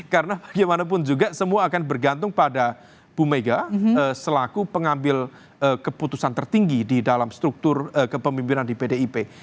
karena bagaimanapun juga semua akan bergantung pada bumega selaku pengambil keputusan tertinggi di dalam struktur kepemimpinan di pdip